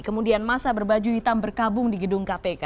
kemudian masa berbaju hitam berkabung di gedung kpk